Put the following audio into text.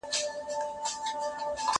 له ظالم څخه به څنگه په امان سم